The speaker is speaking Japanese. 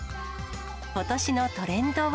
ことしのトレンドは。